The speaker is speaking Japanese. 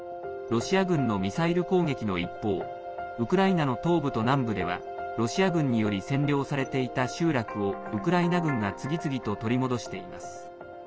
ロシア軍のミサイル攻撃の一方ウクライナの東部と南部ではロシア軍により占領されていた集落をウクライナ軍が次々と取り戻しています。